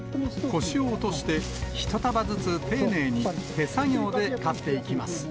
腰を落として、一束ずつ丁寧に手作業で刈っていきます。